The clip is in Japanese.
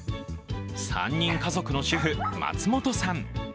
３人家族の主婦、松本さん。